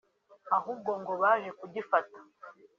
ahubwo ngo baje kugifata